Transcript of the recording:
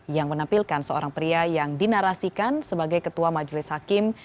yang menampilkan seorang pria yang dinarasikan sebagai ketua majelis hakim